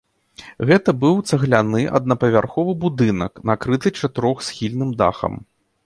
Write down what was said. Гэта быў цагляны аднапавярховы будынак, накрыты чатырохсхільным дахам.